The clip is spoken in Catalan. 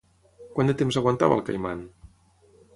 Quant de temps aguantava el Caiman?